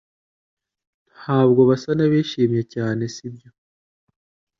Ntabwo basa n'abishimye cyane sibyo